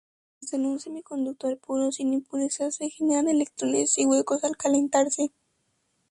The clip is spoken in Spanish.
Hasta en un semiconductor puro, sin impurezas, se generan electrones y huecos al calentarse.